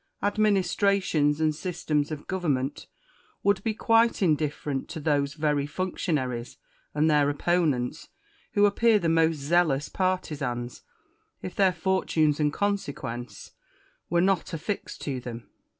Administrations and systems of government would be quite indiflferent to those very functionaries and their opponents, who appear the most zealous partisans, if their fortunes and consequence were not affixed to them.